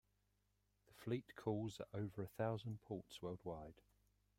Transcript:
The fleet calls at over a thousand ports worldwide.